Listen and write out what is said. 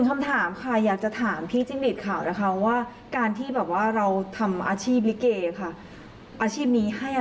มันได้เรื่อย